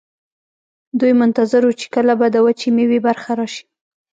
دوی منتظر وو چې کله به د وچې میوې برخه راشي.